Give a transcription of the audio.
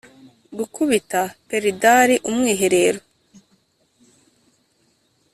gukubita pedlar umwiherero -